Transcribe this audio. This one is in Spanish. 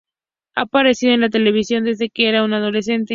Ha aparecido en la televisión desde que era un adolescente.